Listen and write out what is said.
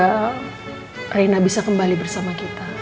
semoga reina bisa kembali bersama kita